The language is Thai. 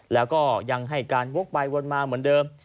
แล้วก็ยังให้การวกไปวนมาเหมือนเดิม